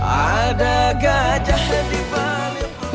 ada gajah yang dibalik